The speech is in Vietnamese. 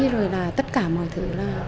rồi là tất cả mọi thứ